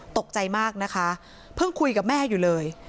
ตกใจมากนะคะเพิ่งคุยกับแม่อยู่เลย